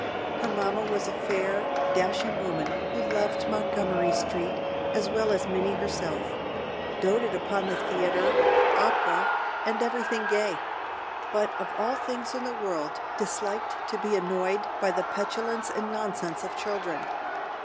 Her mamma was a fair, dashing woman, who loved Montgomery Street as well as Minnie herself; doated upon the theatre, opera, and every thing gay, but, of all things in the world, disliked to be annoyed by the petulance and nonsense of children.